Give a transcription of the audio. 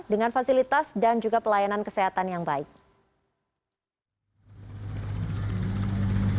dengan fasilitas dan juga pelayanan kesehatan yang baik